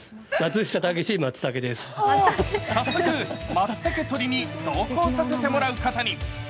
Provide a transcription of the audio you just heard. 早速、まつたけ採りに同行させてもらうことに。